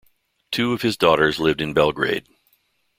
Two of his daughters lived in Belgrade.